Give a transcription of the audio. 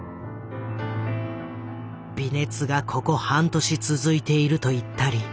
「微熱がここ半年つづいていると言ったり」。